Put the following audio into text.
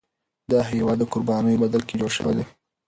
دا هیواد د قربانیو په بدل کي جوړ شوی دی.